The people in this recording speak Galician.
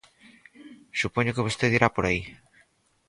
Supoño que vostede irá por aí.